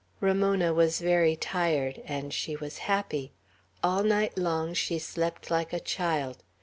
Ramona was very tired, and she was happy. All night long she slept like a child.